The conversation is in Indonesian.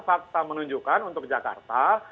fakta menunjukkan untuk jakarta